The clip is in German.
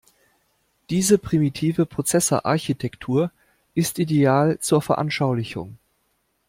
Diese primitive Prozessorarchitektur ist ideal zur Veranschaulichung.